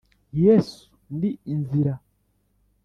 Yesu ni inzira